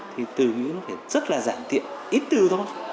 thì từ nghĩa nó phải rất là giản tiện ít từ thôi